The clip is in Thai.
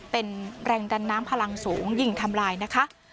เป็นแรงดันน้ำพลังสูงยิงทำลายนะคะ